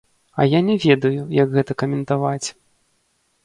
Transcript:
А я не ведаю, як гэта каментаваць!